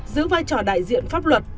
giữ vai trò đại diện pháp luật